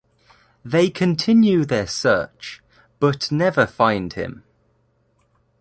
They continue their search, but never find him.